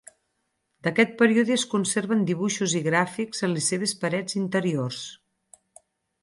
D'aquest període es conserven dibuixos i gràfics en les seves parets interiors.